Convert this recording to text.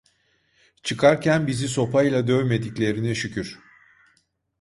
Çıkarken bizi sopayla dövmediklerine şükür!